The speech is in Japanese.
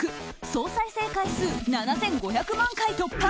総再生回数７５００万回突破。